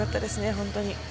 本当に。